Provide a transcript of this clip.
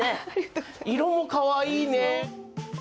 色もかわいいね。